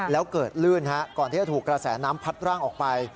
แล้วเกิดลื่นก่อนที่จะถูกกระแสน้ำพัดร่างออกไป